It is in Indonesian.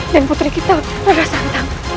dan putri kita rara santang